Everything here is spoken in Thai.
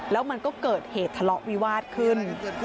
แล้วมันก็เกิดเหตุทะเลาะวิวาสขึ้น